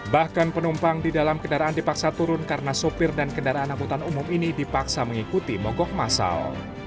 bahkan penumpang di dalam kendaraan dipaksa turun karena sopir dan kendaraan angkutan umum ini dipaksa mengikuti mogok masal